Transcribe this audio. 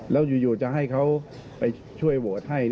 แล้วอยู่จะให้เขาไปช่วยโหวตให้